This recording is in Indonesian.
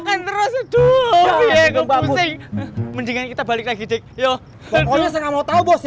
kita balik lagi yuk